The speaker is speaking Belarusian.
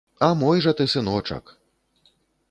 А мой жа ты сыночак!